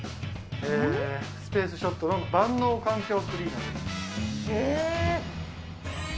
スペースショットの万能環境クリーナーです。